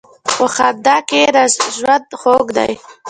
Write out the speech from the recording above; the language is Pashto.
په خندا کښېنه، ژوند خوږ دی.